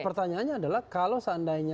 pertanyaannya adalah kalau seandainya saya tanya